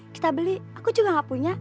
kita beli aku juga gak punya